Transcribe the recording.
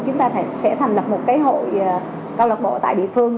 chúng ta sẽ thành lập một cái hội công lập bộ tại địa phương